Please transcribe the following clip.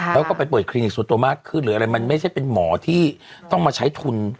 แล้วก็ไปเปิดคลินิกส่วนตัวมากขึ้นหรืออะไรมันไม่ใช่เป็นหมอที่ต้องมาใช้ทุน